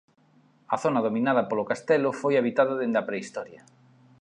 A zona dominada polo castelo foi habitada dende a prehistoria.